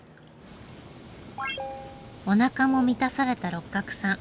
おなかも満たされた六角さん